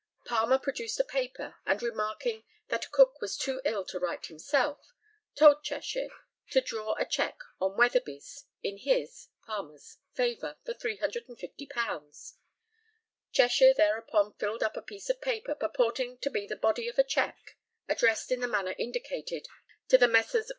Palmer produced a paper, and remarking "that Cook was too ill to write himself," told Cheshire to draw a cheque on Weatherby's in his (Palmer's) favour for £350. Cheshire thereupon filled up a piece of paper purporting to be the body of a cheque, addressed in the manner indicated to the Messrs.